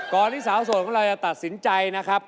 ที่สาวโสดของเราจะตัดสินใจนะครับ